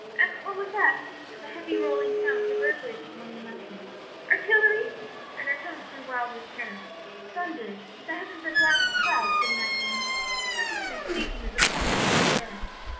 and what was that?' as a heavy, rolling sound reverberated among the mountains; 'artillery?' and her tones grew wild with terror. "'Thunder; the heavens are black with clouds,' said Magdalen, coming in and speaking with the calmness of despair.